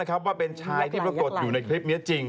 ยอมรับเป็นชายที่ประกดอยู่ในคลิปเมียจริง